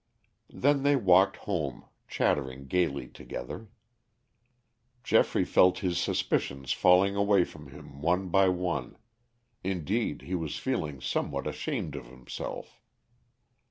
Then they walked home chattering gayly together. Geoffrey felt his suspicions falling away from him one by one; indeed he was feeling somewhat ashamed of himself.